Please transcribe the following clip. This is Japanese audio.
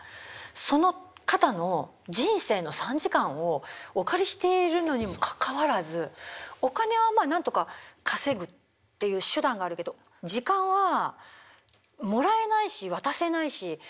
その方の人生の３時間をお借りしているのにもかかわらずお金はまあなんとか稼ぐっていう手段があるけど時間はもらえないし渡せないし取り戻せないし。